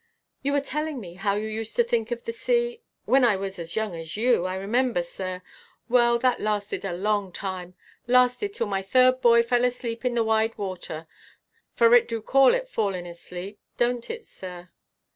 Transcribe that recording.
"You were telling me how you used to think of the sea " "When I was as young as you. I remember, sir. Well, that lasted a long time lasted till my third boy fell asleep in the wide water; for it du call it falling asleep, don't it, sir?"